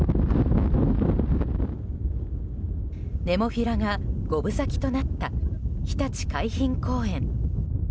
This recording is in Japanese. ネモフィラが五分咲きとなったひたち海浜公園。